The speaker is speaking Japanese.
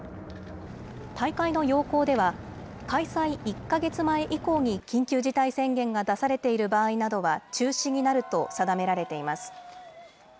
大会の要項では、開催１か月前以降に緊急事態宣言が出されている場合などは中止になると定められています。